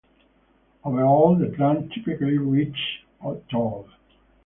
Overall the plant typically reaches tall.